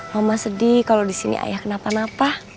mama sedih kalau di sini ayah kenapa napa